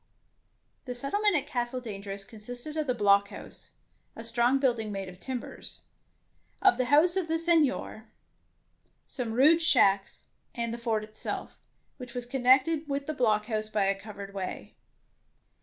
The settlement at Castle Dangerous consisted of the blockhouse, a strong building made of timbers ; of the house of the Seignior ; some rude shacks, and the fort itself, which was connected with the blockhouse by a covered way.